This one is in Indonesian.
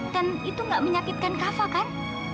dan itu nggak menyakitkan kava kan